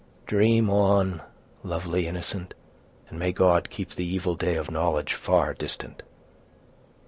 Dream on, lovely innocent! and may God keep the evil day of knowledge far distant!"